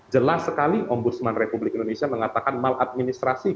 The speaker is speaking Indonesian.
jelas sekali ombudsman republik indonesia mengatakan mal administrasikan